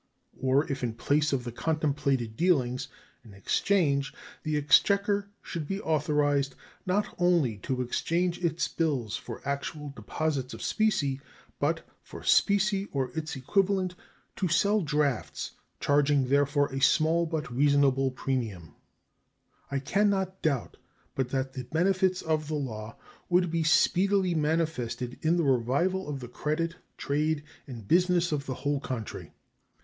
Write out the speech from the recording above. Or if in place of the contemplated dealings in exchange the exchequer should be authorized not only to exchange its bills for actual deposits of specie, but, for specie or its equivalent, to sell drafts, charging therefor a small but reasonable premium, I can not doubt but that the benefits of the law would be speedily manifested in the revival of the credit, trade, and business of the whole country.